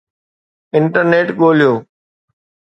internet ڳوليو